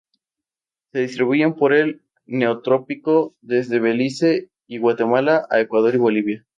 Se distribuyen por el Neotrópico desde Belize y Guatemala a Ecuador y Bolivia.